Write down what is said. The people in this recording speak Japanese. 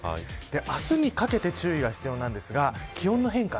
明日にかけて注意が必要なんですが気温の変化